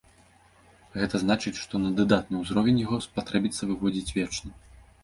Гэта значыць, што на дадатны ўзровень яго спатрэбіцца выводзіць вечна.